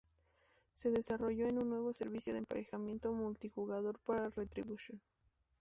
Se desarrolló un nuevo servicio de emparejamiento multijugador para Retribution.